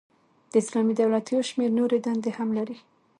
د اسلامی دولت یو شمیر نوري دندي هم لري.